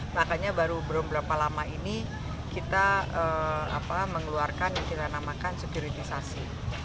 makanya baru belum berapa lama ini kita mengeluarkan yang kita namakan sekuritisasi